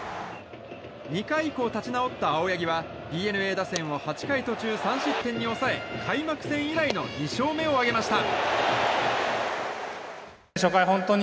立ち直った青柳はＤｅＮＡ打線を８回途中３失点に抑え開幕戦以来の２勝目を挙げました。